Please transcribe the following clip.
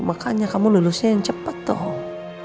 makanya kamu lulusnya yang cepat dong